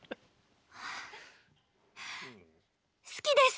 好きです。